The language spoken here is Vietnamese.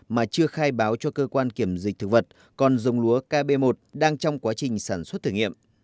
mà chưa khai báo cho cơ quan kiểm dịch thực vật còn giống lúa kb một đang trong quá trình sản xuất thử nghiệm